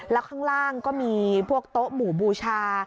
แล้วข้างล่างก็มีพวกโต๊ะหมู่บูชา